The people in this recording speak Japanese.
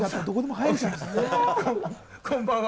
こんばんは。